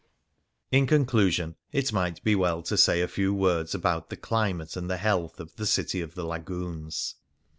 In conclusion, it may be well to say a few words about the climate and the health of the City of the Lagoons.